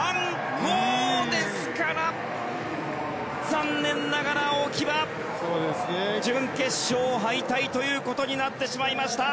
ですから残念ながら青木は準決勝敗退ということになってしまいました。